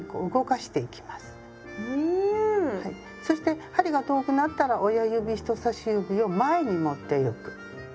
そして針が遠くなったら親指人さし指を前に持ってゆく。